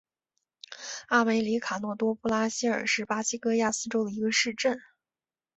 阿梅里卡诺多布拉西尔是巴西戈亚斯州的一个市镇。